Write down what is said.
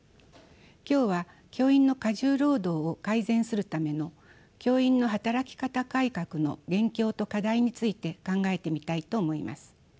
今日は教員の過重労働を改善するための教員の働き方改革の現況と課題について考えてみたいと思います。